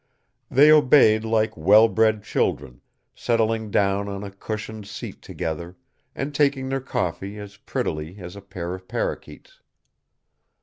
They obeyed like well bred children, settling down on a cushioned seat together and taking their coffee as prettily as a pair of parakeets.